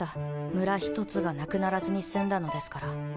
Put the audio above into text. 村一つがなくならずに済んだのですから。